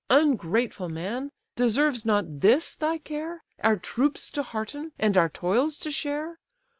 Ungrateful man! deserves not this thy care, Our troops to hearten, and our toils to share?